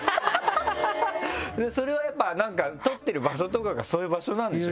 それはやっぱ撮ってる場所とかがそういう場所なんでしょ？